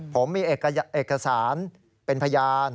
ผมมีเอกสารเป็นพยาน